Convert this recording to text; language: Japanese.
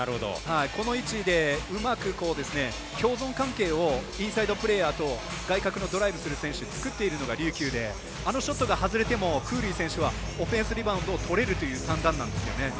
この位置で、うまく共存関係をインサイドプレーヤーと外角のドライブ、選手が作っているのが琉球であのショットが外れてもクーリー選手はオフェンスリバウンドをとれるという算段なんですよね。